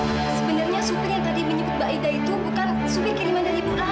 mbak aida sebenarnya supir yang tadi menjemput mbak aida itu bukan supir kiriman dari ibu aras